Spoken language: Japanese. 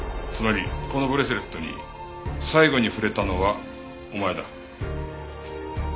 つまりこのブレスレットに最後に触れたのはお前だ。